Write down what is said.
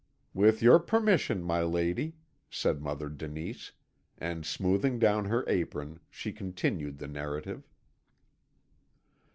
"With your permission, my lady," said Mother Denise, and smoothing down her apron, she continued the narrative.